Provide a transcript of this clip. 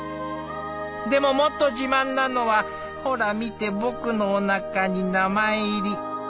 でももっと自慢なのはほら見て僕のおなかに名前入り。